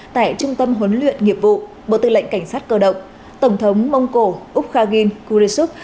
tại trung tâm huấn luyện nghiệp vụ bộ tư lệnh cảnh sát cơ động tổng thống mông cổ úc khagin kurechuk